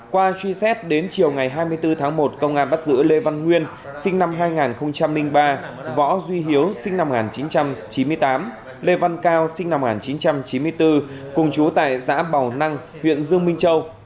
qua truy xét đến chiều ngày hai mươi bốn tháng một công an bắt giữ lê văn nguyên sinh năm hai nghìn ba võ duy hiếu sinh năm một nghìn chín trăm chín mươi tám lê văn cao sinh năm một nghìn chín trăm chín mươi bốn cùng chú tại xã bào năng huyện dương minh châu